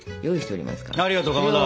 ありがとうかまど。